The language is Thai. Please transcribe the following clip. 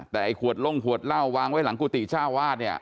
แต่ไอ้ขวดลงขวดเหล้าวางไว้หลังกุฏิเจ้าวาดเนี่ย